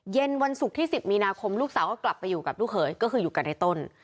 เย็นวันศุกร์ที่๑๐มีนาคมลูกสาวก็กลับไปอยู่กับลูกเขยก็คืออยู่กันในต้น